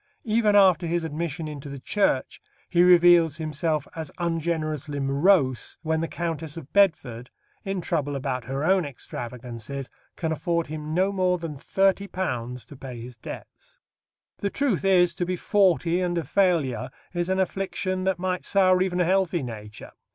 Even after his admission into the Church he reveals himself as ungenerously morose when the Countess of Bedford, in trouble about her own extravagances, can afford him no more than £30 to pay his debts. The truth is, to be forty and a failure is an affliction that might sour even a healthy nature.